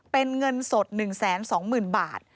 เป็นเงินสด๑๒๐๐๐บาท